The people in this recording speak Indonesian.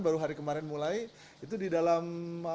baru hari kemarin mulai itu di dalam